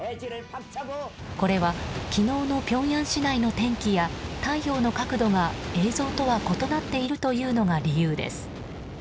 これは、昨日のピョンヤン市内の天気や太陽の角度が映像とは異なっているというのが理由です。